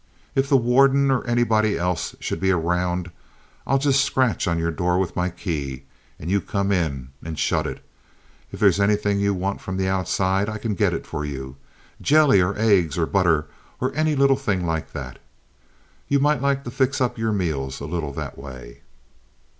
If the warden or anybody else should be around, I'll just scratch on your door with my key, and you come in and shut it. If there's anything you want from the outside I can get it for you—jelly or eggs or butter or any little thing like that. You might like to fix up your meals a little that way."